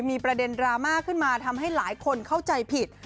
มีประเด็นดราม่าขึ้นมาทำให้หลายคนเข้าใจผิด